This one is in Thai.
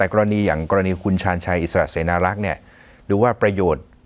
กรณีอย่างกรณีคุณชาญชัยอิสระเสนารักษ์ดูว่าประโยชน์